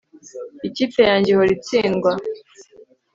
Ikipe yanjye ihora itsindwa